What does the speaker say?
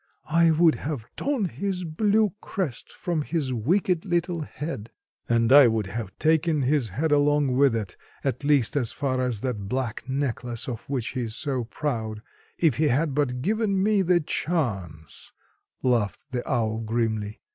"I would have torn his blue crest from his wicked little head." "And I would have taken his head along with it, at least as far as that black necklace of which he is so proud, if he had but given me the chance," laughed the owl grimly.